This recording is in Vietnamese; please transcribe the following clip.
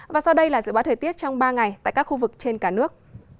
và sau đây là dự báo thời tiết trong ba ngày tại các khu vực trên cả nước